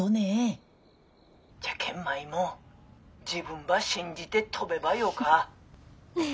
じゃけん舞も自分ば信じて飛べばよか。